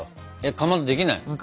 かまどできない？